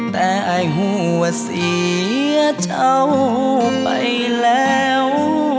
แต่ไอ้หัวเสียเจ้าไปแล้ว